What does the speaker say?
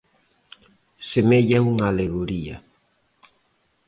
Semella unha alegoría.